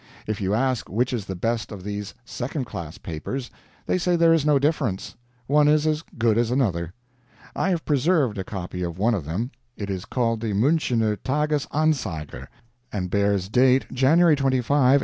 If you ask which is the best of these second class papers they say there is no difference; one is as good as another. I have preserved a copy of one of them; it is called the MÜNCHENER TAGES ANZEIGER, and bears date January 25, 1879.